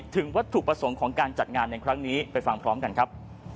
ถึงวัตถุประสงค์ของการจัดงานในครั้งนี้ไปฟังพร้อมกันครับ